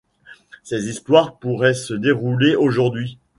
Ses histoires pourraient se dérouler aujourd'hui.